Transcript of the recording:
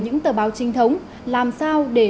những tờ báo trinh thống làm sao để